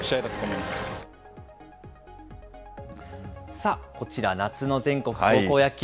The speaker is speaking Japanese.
さあ、こちら、夏の全国高校野球。